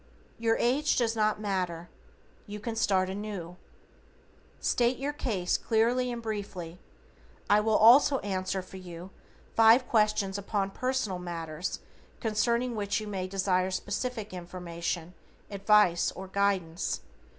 Your age does not matter, you can start anew. STATE YOUR CASE CLEARLY AND BRIEFLY. I will also answer for you five questions upon personal matters concerning which you may desire special information, advice, or guidance.